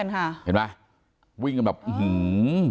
เห็นไหมวิ่งกันแบบอื้อหือ